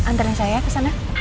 antarin saya kesana